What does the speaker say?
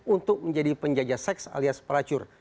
untuk menjadi penjajah seks alias peracur